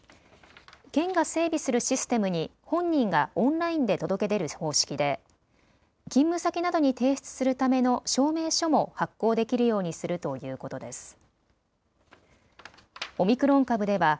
県が整備するシステムに本人がオンラインで届け出る方式で勤務先などに提出するための証明書も発行できるようにするということです。